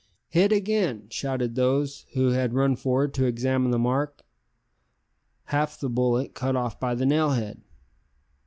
"Hit again!" shouted those who had run forward to examine the mark. "Half the bullet cut off by the nail head!"